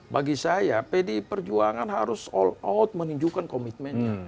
bagi saya pdi perjuangan harus all out menunjukkan komitmennya